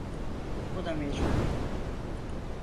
Buna mecburum.